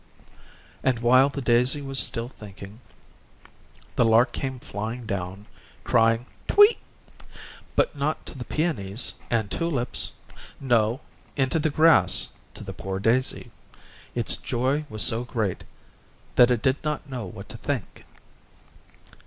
And while the daisy was still thinking, the lark came flying down, crying "Tweet," but not to the peonies and tulips no, into the grass to the poor daisy. Its joy was so great that it did not know what to think.